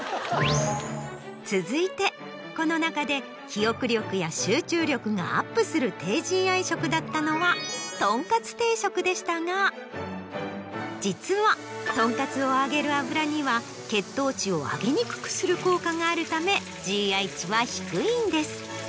続いてこの中で記憶力や集中力がアップする低ＧＩ食だったのはとんかつ定食でしたが実はとんかつを揚げる油には血糖値を上げにくくする効果があるためＧＩ値は低いんです。